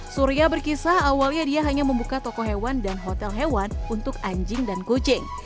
surya berkisah awalnya dia hanya membuka toko hewan dan hotel hewan untuk anjing dan kucing